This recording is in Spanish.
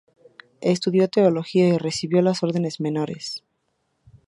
Estudió teología y recibió las órdenes menores.